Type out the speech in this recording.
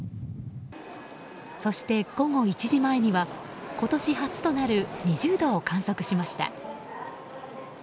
そして午後１時前には今年初となる２０度を観測しました。